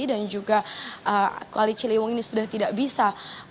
dan juga kali ciliwung ini sudah tidak bisa